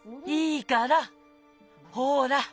いいから。ほら！